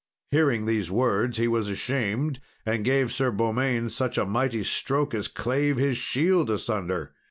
Hearing these words, he was ashamed, and gave Sir Beaumains such a mighty stroke as clave his shield asunder.